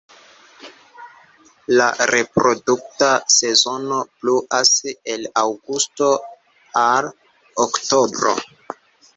La reprodukta sezono pluas el aŭgusto al oktobro.